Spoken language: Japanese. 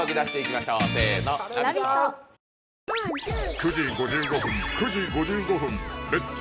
９時５５分９時５５分「レッツ！